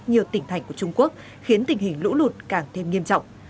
nhiều tỉnh thành của trung quốc khiến tình hình lũ lụt càng thêm nghiêm trọng